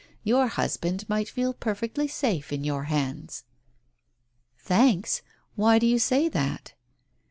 Your husband might feel perfectly safe in your hands." "Thanks. Why do you say that?"